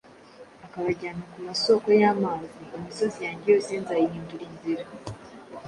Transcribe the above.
akabajyana ku masoko y’amazi. « Imisozi yanjye yose nzayihindura inzira,